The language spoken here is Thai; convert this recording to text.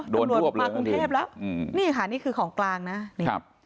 โดนรวบมากรุงเทพแล้วอืมนี่ค่ะนี่คือของกลางน่ะครับ